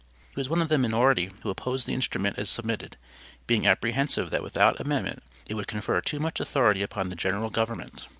He was one of the minority who opposed the instrument as submitted, being apprehensive that without amendment it would confer too much authority upon the general government.